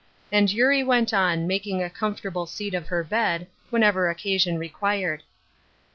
And Eurie went on, making a comfortable seat of her bed, whenever occasion required.